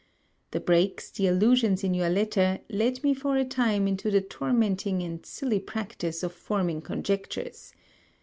The breaks, the allusions in your letter, led me for a time into the tormenting and silly practice of forming conjectures.